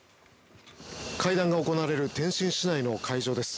会談が行われる天津市内の会場です。